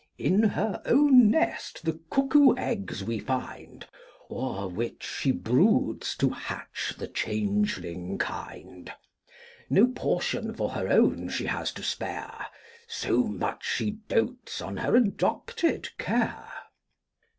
In her own nest the cuckoo eggs we find, O'er which she broods to hatch the changeling kind: No portion for her own she has to spare, So much she dotes on her adopted care.